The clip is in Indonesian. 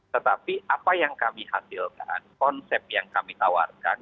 tetapi apa yang kami hasilkan konsep yang kami tawarkan